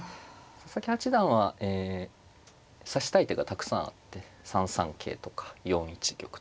佐々木八段はえ指したい手がたくさんあって３三桂とか４一玉とか。